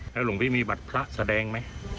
หลวงพี่มีบัตรพระแสดงไหม